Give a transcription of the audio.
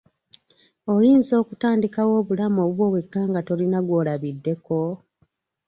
Oyinza okutandikawo obulamu obubwo wekka nga tolina gw'olabiddeko?